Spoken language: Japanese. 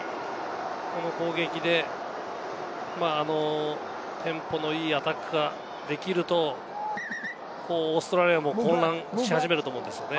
この攻撃でテンポのいいアタックができると、オーストラリアも混乱し始めると思うんですよね。